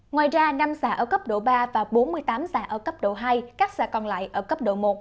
ngoài ra năm xã ở cấp độ ba và bốn mươi tám xã ở cấp độ hai các xã còn lại ở cấp độ một